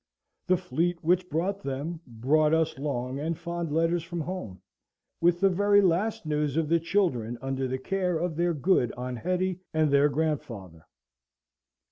The fleet which brought them brought us long and fond letters from home, with the very last news of the children under the care of their good Aunt Hetty and their grandfather.